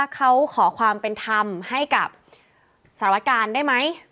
เขาขอความเป็นธรรมให้กับสารวการได้ไหม